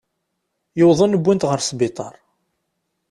Yuḍen, uwin-t ɣer sbiṭer.